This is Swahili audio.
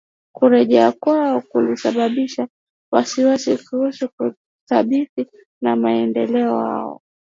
Kurejea kwao kulisababisha wasiwasi kuhusu kutabirika kwa mwenendo wao